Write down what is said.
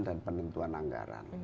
dan penentuan anggaran